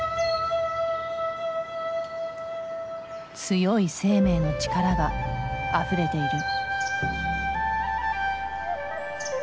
強い生命の力があふれている。